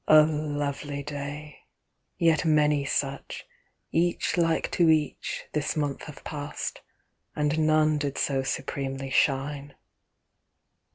A lovely day! Yet many such, Each like to each, this month have passed, And none did so supremely shine.